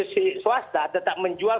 si swasta tetap menjual